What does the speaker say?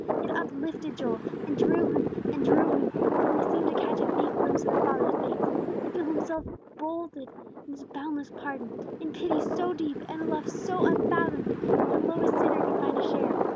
It uplifted Joel, and drew him, and drew him, till he seemed to catch a faint glimpse of the Father's face; to feel himself folded in boundless pardon, in pity so deep, and a love so unfathomed, that the lowest sinner could find a share.